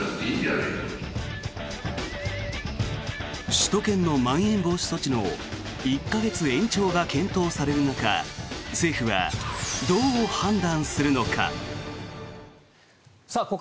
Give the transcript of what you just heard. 首都圏のまん延防止措置の１か月延長が検討される中政府はどう判断するのか。